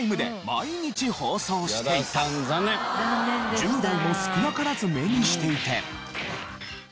１０代も少なからず目にしていて。